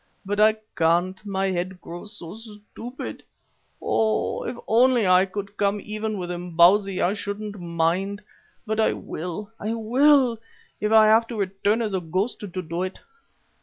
But I can't, my head grows so stupid. Oh! if only I could come even with Imbozwi I shouldn't mind, and I will, I will, if I have to return as a ghost to do it.